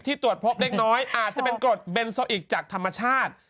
ตรวจพบเล็กน้อยอาจจะเป็นกรดเบนโซอิกจากธรรมชาติ